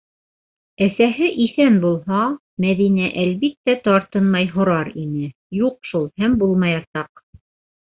Әсәһе иҫән булһа, Мәҙинә, әлбиттә, тартынмай һорар ине, юҡ шул һәм булмаясаҡ.